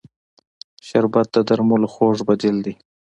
شربت د درملو خوږ بدیل دی